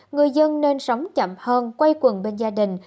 người dân nên sống chậm hơn quay quần bên gia đình